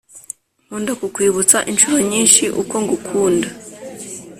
nkunda kukwibutsa inshuro nyinshi uko ngukunda